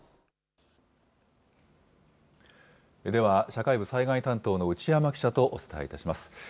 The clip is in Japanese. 社会部災害担当の内山記者とお伝えいたします。